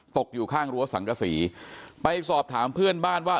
ตกอยู่ข้างรั้วสังกษีไปสอบถามเพื่อนบ้านว่า